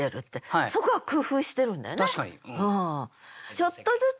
そこは工夫してるんだよね。